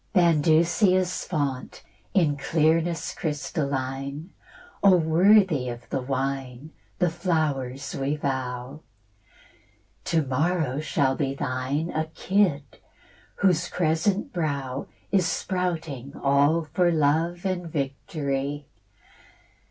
Bandusia's fount, in clearness crystalline, O worthy of the wine, the flowers we vow! To morrow shall be thine A kid, whose crescent brow Is sprouting all for love and victory.